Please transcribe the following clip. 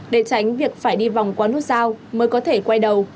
để tránh việc phải đi vòng qua nút giao mới có thể quay đầu